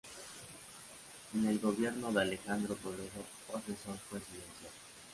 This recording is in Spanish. En el gobierno de Alejandro Toledo, fue asesor presidencial.